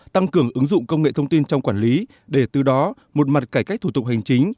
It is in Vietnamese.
tăng cường ứng dụng công nghệ thông tin trong quản lý để từ đó một mặt cải cách thủ tục hành chính